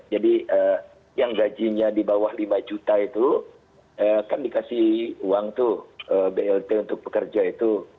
jadi yang gajinya di bawah lima juta itu kan dikasih uang tuh blt untuk pekerja itu